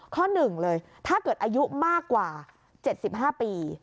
๑เลยถ้าเกิดอายุมากกว่า๗๕ปี